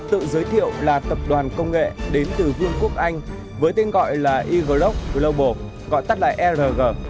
bộ công an sẽ giới thiệu là tập đoàn công nghệ đến từ vương quốc anh với tên gọi là eglog global gọi tắt lại erg